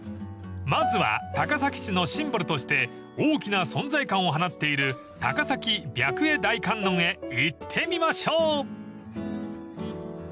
［まずは高崎市のシンボルとして大きな存在感を放っている高崎白衣大観音へ行ってみましょう］